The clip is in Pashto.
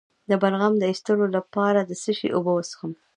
د بلغم د ایستلو لپاره د څه شي اوبه وڅښم؟